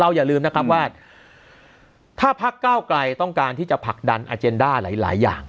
อย่าลืมนะครับว่าถ้าพักเก้าไกลต้องการที่จะผลักดันอาเจนด้าหลายอย่าง